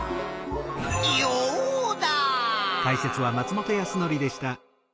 ヨウダ！